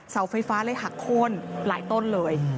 เสาไฟฟ้าเลยหักโค้นหลายต้นเลย